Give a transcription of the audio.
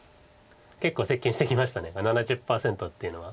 結構接近してきました７０％っていうのは。